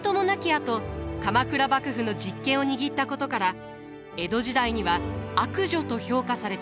あと鎌倉幕府の実権を握ったことから江戸時代には悪女と評価されていました。